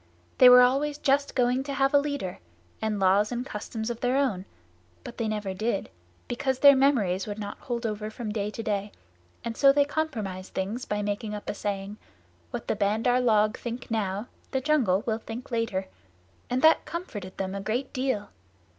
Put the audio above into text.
They were always just going to have a leader, and laws and customs of their own, but they never did, because their memories would not hold over from day to day, and so they compromised things by making up a saying, "What the Bandar log think now the jungle will think later," and that comforted them a great deal.